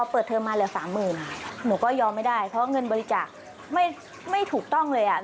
เปิดเทอมมาเหลือ๓๐๐๐หนูก็ยอมไม่ได้เพราะเงินบริจาคไม่ถูกต้องเลยอ่ะ